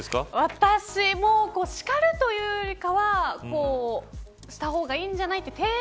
私も、叱るというよりかはした方がいいんじゃないという。